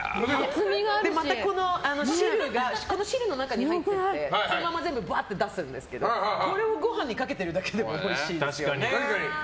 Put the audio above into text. この汁の中に入ってきてぶわーっと出すんですけどこれをご飯にかけてるだけでもおいしいです。